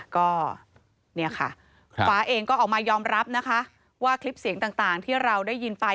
ก็เนี่ยค่ะฟ้าเองก็ออกมายอมรับนะคะว่าคลิปเสียงต่างที่เราได้ยินไป